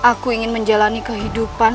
aku ingin menjalani kehidupan